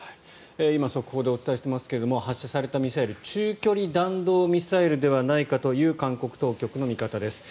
今速報でお伝えしていますが発射されたミサイルは中距離弾道ミサイルではないかという韓国当局の見方です。